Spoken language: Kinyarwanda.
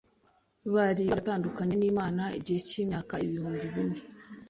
Bari baratandukanye n’Imana igihe cy’imyaka ibihumbi bine